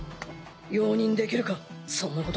容認できるかそんなこと。